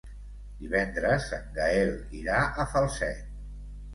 Divendres en Gaël irà a Falset.